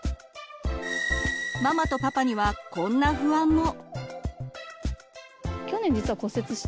ママとパパにはこんな不安も。